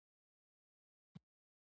• بخښل د قوي خلکو ځانګړنه ده.